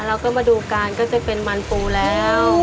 เราก็มาดูการก็จะเป็นมันปูแล้ว